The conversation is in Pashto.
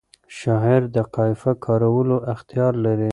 شاعر د قافیه کارولو اختیار لري.